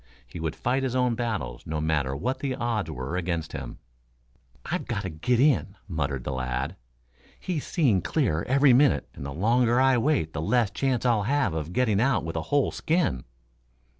He would fight his own battles, no matter what the odds were against him. "I've got to get in," muttered the lad. "He's seeing clearer every minute, and the longer I wait the less chance I'll have of getting out with a whole skin.